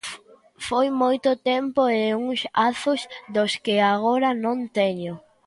Foi moito tempo e uns azos dos que agora non teño.